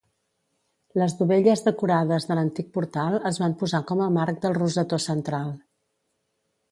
Les dovelles decorades de l'antic portal es van posar com a marc del rosetó central.